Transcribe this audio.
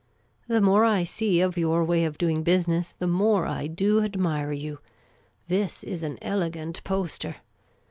The n:ore I .see of your way of doing husiness, the more I do admire you. This i.s an elegant poster